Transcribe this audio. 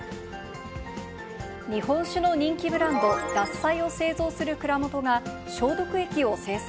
日本酒の人気ブランド、獺祭を製造する蔵元が、消毒液を生産。